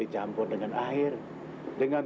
dicampur rumah air ya